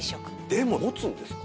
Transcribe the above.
でももつんですか？